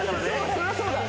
そりゃそうだ。